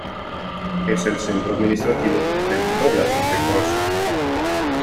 Es el centro administrativo del óblast de Kursk.